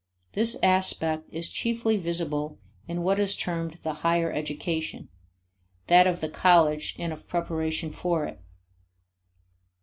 This aspect is chiefly visible in what is termed the higher education that of the college and of preparation for it.